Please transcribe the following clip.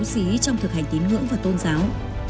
xí trong thực hành tín ngưỡng và tôn giáo